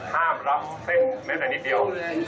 ห้ามรับเซ่นเมตรนิดเดียว